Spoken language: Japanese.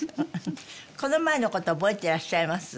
この前の事覚えてらっしゃいます？